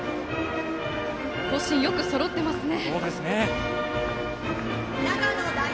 行進もよくそろっていますね。